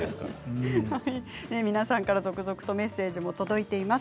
皆さんから続々とメッセージも届いています。